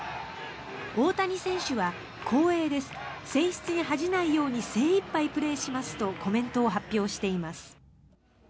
大谷選手は、光栄です選出に恥じないように精いっぱいプレーしますとコメントを発表しています。